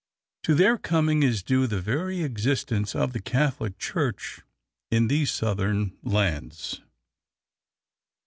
To their coming is due the very existence of the Catholic Church in these southern lands.